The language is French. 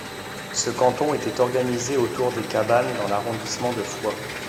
Ce canton était organisé autour des Cabannes dans l'arrondissement de Foix.